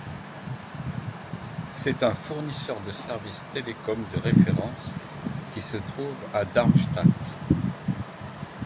C’est un fournisseur de services télécoms de référence qui se trouve à Darmstadt.